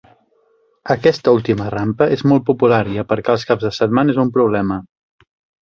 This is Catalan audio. Aquesta última rampa és molt popular i aparcar els caps de setmana és un problema.